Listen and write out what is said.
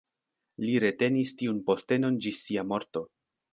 Li retenis tiun postenon ĝis sia morto.